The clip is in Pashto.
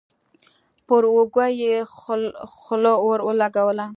پر اوږه يې خوله ور ولګوله.